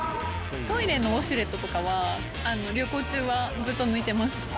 トイレのウォシュレットとかは、旅行中はずっと抜いてます。